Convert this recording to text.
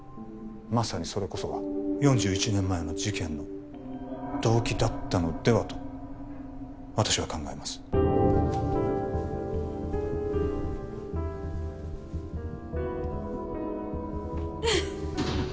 まさにそれこそが４１年前の事件の動機だったのではと私は考えますウッフフ